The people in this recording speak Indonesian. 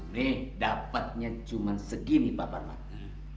nih dapetnya cuman segini pak parman